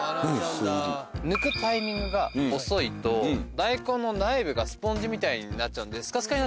抜くタイミングが遅いと大根の内部がスポンジみたいになっちゃうんでスカスカになっちゃうんですよ。